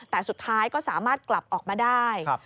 แต่สุดท้ายก็สามารถกลับออกมาได้